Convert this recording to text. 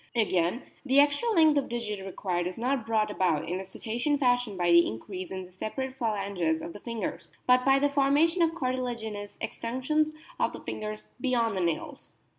Again, the extra length of digit required is not brought about in the Cetacean fashion by the increase in the separate phalanges of the fingers, but by the formation of cartilaginous extensions of the fingers beyond the nails.